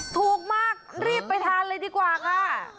ถูกมากรีบไปทานเลยดีกว่าค่ะ